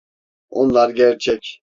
Onlar gerçek.